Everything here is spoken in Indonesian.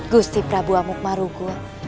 gusti prabu amukmarugul